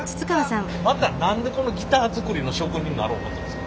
また何でこのギター作りの職人になろう思ったんですか？